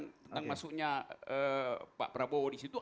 tentang masuknya pak prabowo di situ